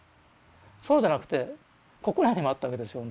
そうじゃなくてここらにもあったわけですよ